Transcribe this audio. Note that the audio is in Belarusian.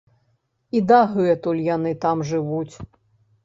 І дагэтуль яны там жывуць.